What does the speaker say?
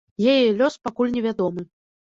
Яе лёс пакуль невядомы.